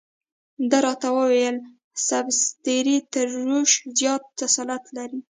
ده راته وویل شبستري تر سروش زیات تسلط لري.